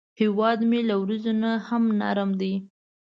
هیواد مې له وریځو نه هم نرم دی